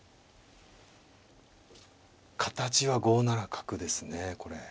形は５七角ですねこれ。